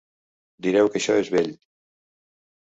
Direu que això és vell.